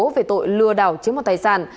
về tội lừa đảo trước một tài sản